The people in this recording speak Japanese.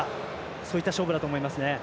そういった勝負だと思います。